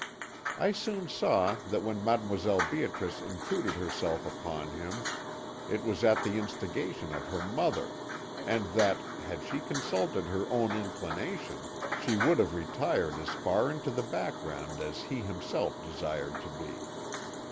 I soon saw that when Mdlle. Beatrice intruded herself upon him it was at the instigation of her mother, and that, had she consulted her own inclination, she would have retired as far into the background as he himself desired to be.